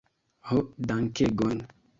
Ho dankegon